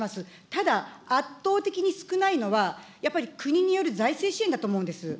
ただ、圧倒的に少ないのは、やっぱり国による財政支援だと思うんです。